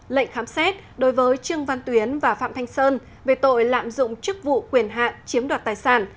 lệnh khám xét đối với trương văn tuyến và phạm thanh sơn về tội lạm dụng chức vụ quyền hạn chiếm đoạt tài sản